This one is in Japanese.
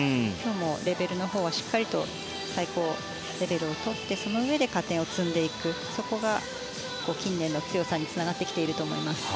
レベルのほうはしっかりと最高レベルをとってそのうえで加点を積んでいくそこが近年の強さにつながってきていると思います。